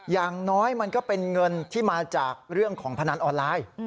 อย่างน้อยมันก็เป็นเงินที่มาจากเรื่องของพนันออนไลน์